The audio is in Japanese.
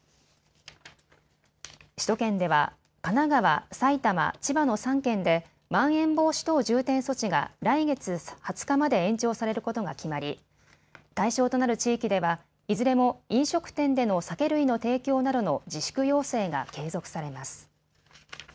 首都圏では神奈川、埼玉、千葉の３県でまん延防止等重点措置が来月２０日まで延長されることが決まり、対象となる地域では、いずれも飲食店での酒類の提供などの自粛要請が継続されます。